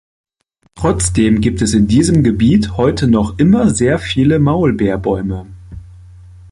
Trotzdem gibt es in diesem Gebiet heute noch immer sehr viele Maulbeerbäume.